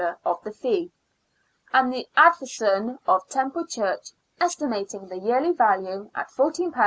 of the Fee, and the advowson of Temple Church, estimating the yearly value at £14 7s.